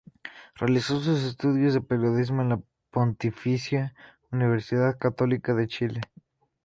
Realizó sus estudios de periodismo en la Pontificia Universidad Católica de Chile.